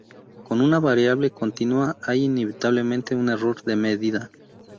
Con una variable continua hay inevitablemente un error de medida.